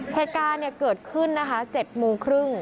แพทย์การเนี่ยเกิดขึ้นนะคะ๗โมงครึ่ง